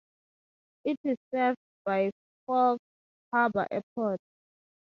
It is served by Fox Harbour Airport.